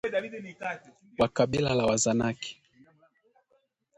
wa kabila la Wazanaki